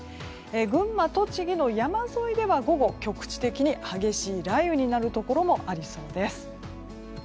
群馬、栃木の山沿いでは午後、局地的に激しい雷雨になるところもありそうです。